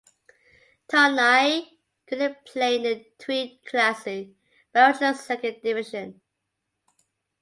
Tournai, currently playing in the Tweede Klasse - Belgian Second Division.